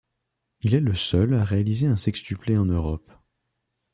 Il est le seul à réaliser un sextuplé en Europe.